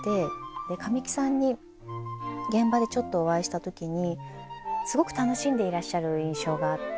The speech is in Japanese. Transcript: で神木さんに現場でちょっとお会いした時にすごく楽しんでいらっしゃる印象があって。